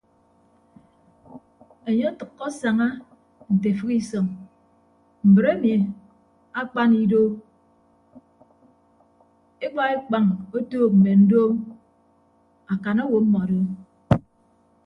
Enye otәkko asaña nte efịk isọñ mbre emi akpan ido ekpa ekpañ otuuk mme ndoom akan owo mmọdo.